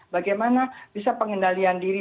bagaimana bisa pengendalian diri